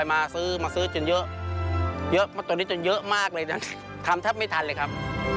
มาซื้อมาซื้อจนเยอะเยอะมากตอนนี้จนเยอะมากเลยนะทำแทบไม่ทันเลยครับ